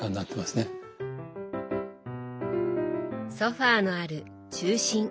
ソファーのある「中心」。